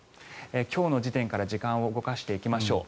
今日の時点から時間を動かしていきましょう。